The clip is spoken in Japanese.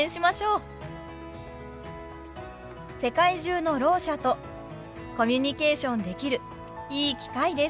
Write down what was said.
世界中のろう者とコミュニケーションできるいい機会です。